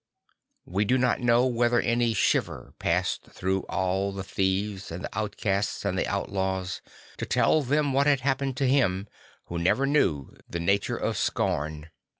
We do not know whether any shiver passed through all the thieves and the outcasts and the outlaws, to tell them what had happened to him who never knew the nature of Miracles and D ath 17 1 scorn.